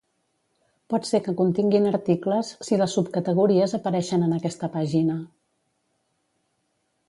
Pot ser que continguin articles si les subcategories apareixen en aquesta pàgina.